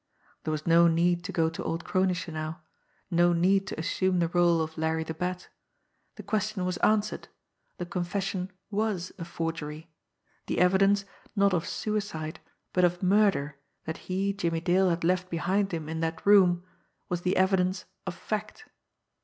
There was no need to go to old Kronische now, no need to assume the role of Larry the Bat. The question was answered the confession was a forgery the evidence, not of suicide, but of murder, that he, Jimmie Dale, had left behind him in that room, was the evidence of fact.